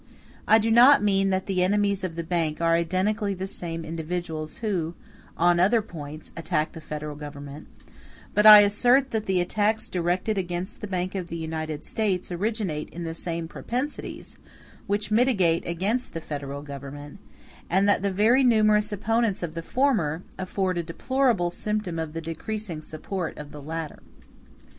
I do not mean that the enemies of the bank are identically the same individuals who, on other points, attack the Federal Government; but I assert that the attacks directed against the bank of the United States originate in the same propensities which militate against the Federal Government; and that the very numerous opponents of the former afford a deplorable symptom of the decreasing support of the latter.